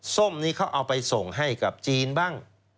ส้มนี้เขาเอาไปส่งให้กับจีนบ้าง